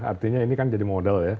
artinya ini kan jadi model ya